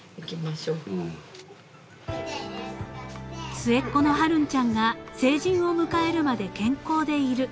［末っ子の春音ちゃんが成人を迎えるまで健康でいる］